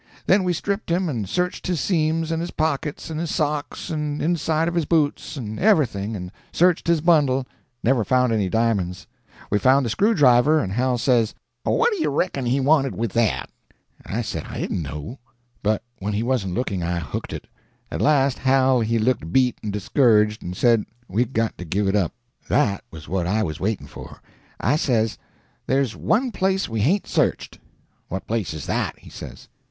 Then we stripped him and searched his seams and his pockets and his socks and the inside of his boots, and everything, and searched his bundle. Never found any di'monds. We found the screwdriver, and Hal says, 'What do you reckon he wanted with that?' I said I didn't know; but when he wasn't looking I hooked it. At last Hal he looked beat and discouraged, and said we'd got to give it up. That was what I was waiting for. I says: "'There's one place we hain't searched.' "'What place is that?' he says.